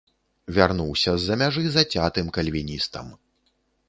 Вярнуўся з-за мяжы зацятым кальвіністам.